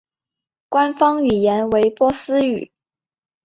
官方语言为波斯语。